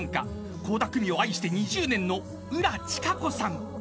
［倖田來未を愛して２０年の浦千賀子さん］